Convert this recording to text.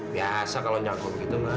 biasa kalo nyakur gitu mah